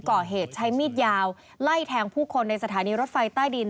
ก่อเหตุใช้มีดยาวไล่แทงผู้คนในสถานีรถไฟใต้ดิน